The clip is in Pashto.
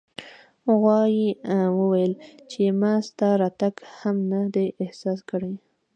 غوایي وویل چې ما ستا راتګ هم نه دی احساس کړی.